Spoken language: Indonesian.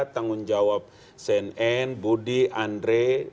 tanggung jawab cnn budi andre